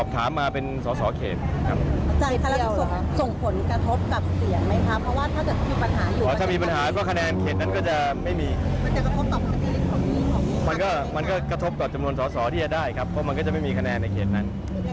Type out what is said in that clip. ก็จะได้ครับเพราะมันก็จะไม่มีคะแนนในเขตนั้น